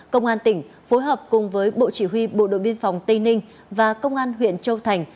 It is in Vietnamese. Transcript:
công an tỉnh phối hợp cùng với bộ chỉ huy bộ đội biên phòng tây ninh và công an huyện châu thành